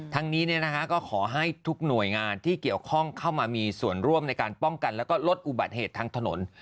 ทั้งนี้ก็ขอให้ทุกหน่วยงานที่เกี่ยวข้องเข้ามามีส่วนร่วมในการป้องกันแล้วก็ลดอุบัติเหตุทางถนน